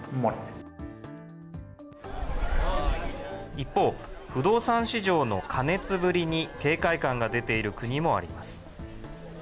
一方、不動産市場の過熱ぶりに警戒感が出ている国もあります。